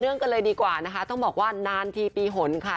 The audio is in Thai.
กันเลยดีกว่านะคะต้องบอกว่านานทีปีหนค่ะ